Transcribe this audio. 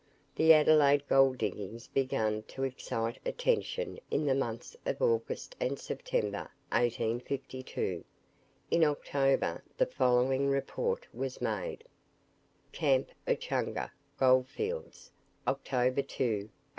The Adelaide gold diggings began to excite attention in the months of August and September, 1852. In October the following report was made: "Camp, Echunga, Gold Fields, "October 2, 1852.